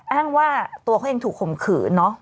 อ้างว่าตัวเขาเองถูกข่มขืนเนอะ